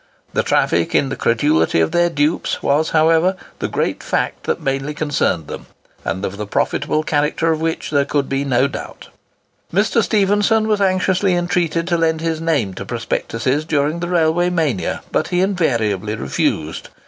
The traffic in the credulity of their dupes was, however, the great fact that mainly concerned them, and of the profitable character of which there could be no doubt. Mr. Stephenson was anxiously entreated to lend his name to prospectuses during the railway mania; but he invariably refused.